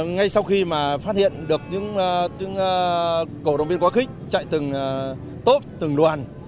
ngay sau khi mà phát hiện được những cổ động viên quá khích chạy từng tốt từng đoàn